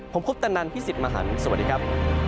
ผมคุณตนันพิสิทธิ์มหาลสวัสดีครับ